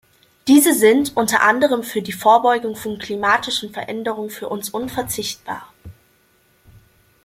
Diese sind, unter anderem für die Vorbeugung von klimatischen Veränderungen, für uns unverzichtbar.